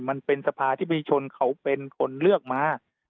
มันเป็นสภาธิบดีชนเขาเป็นคนเลือกมา